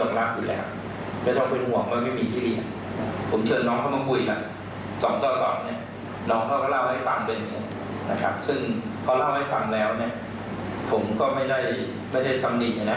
มันก็จะเกิดขนกระทบทั้งตัวเขาทั้งครอบครัวและทั้งสังคม